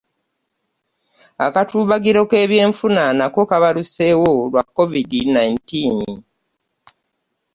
Akatuubagiro k'ebyenfuna nako kabaluseewo lwa covid nineteen.